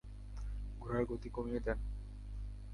ঘোড়ার গতি কমিয়ে দেন।